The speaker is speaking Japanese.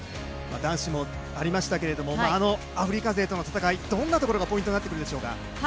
男子もありましたけれども、アフリカ勢との戦い、どんなところがポイントになってくるでしょうか？